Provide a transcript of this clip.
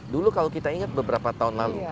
dulu kalau kita ingat beberapa tahun lalu